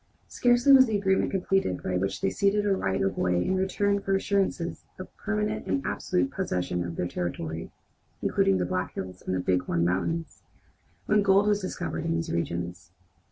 Scarcely was the agreement completed by which they ceded a right of way in return for assurances of permanent and absolute possession of other territory, including the Black Hills and Bighorn Mountains, when gold was discovered in these regions.